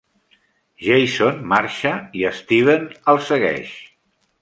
Jason marxa i Steven el segueix.